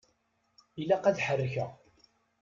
Ilaq ad ḥerrkeɣ.